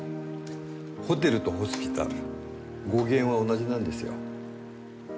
ホテルとホスピタル語源は同じなんですよ。